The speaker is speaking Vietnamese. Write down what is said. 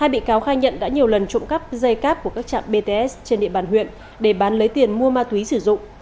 hai bị cáo khai nhận đã nhiều lần trộm cắp dây cáp của các trạm bts trên địa bàn huyện để bán lấy tiền mua ma túy sử dụng